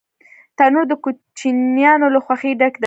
تنور د کوچنیانو له خوښۍ ډک دی